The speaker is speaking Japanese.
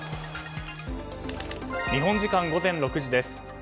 日本時間午前６時です。